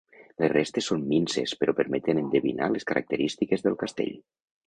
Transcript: Les restes són minses però permeten endevinar les característiques del castell.